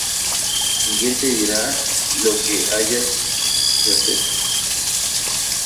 y él te dirá lo que hayas de hacer.